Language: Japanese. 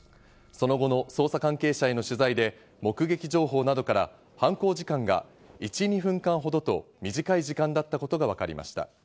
その後の捜査関係者への取材で目撃情報などから犯行時間が１２分間ほどと、短い時間だったことがわかりました。